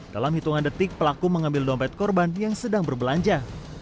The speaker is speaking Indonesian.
dalam hitungan detik pelaku mengambil dompet korban yang sedang berbelanja